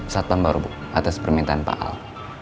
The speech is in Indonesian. satpam baru atas permintaan pak al